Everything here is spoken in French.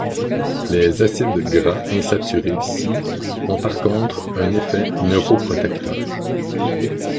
Les acides gras insaturés cis ont par contre un effet neuroprotecteur.